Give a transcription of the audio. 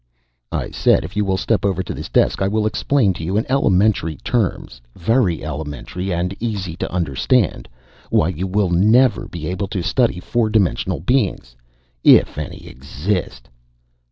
"I said if you will step over to this desk I will explain to you in elementary terms very elementary and easy to understand why you will never be able to study four dimensional beings if any exist!"